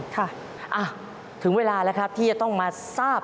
เพราะเขาเห็นเจ้าโต๊ะกับเก้าอี้ตัวนี้